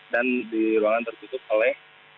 dan di ruangan terkutuk oleh